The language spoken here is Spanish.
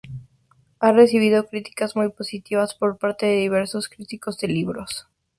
Ha recibido críticas muy positivas por parte de diversos críticos de libros.